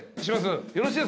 よろしいですか？